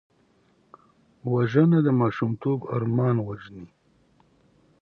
وژنه د ماشومتوب ارمان وژني